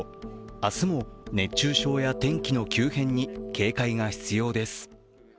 明日も熱中症や天気の急変に警戒が必要です。